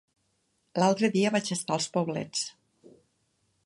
L'altre dia vaig estar als Poblets.